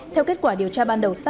theo kết quả điều tra ban đầu sắc